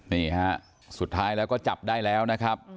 นี่ฮะสุดท้ายแล้วก็จับได้แล้วนะครับ